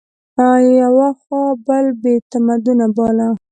یوه خوا بل بې تمدنه باله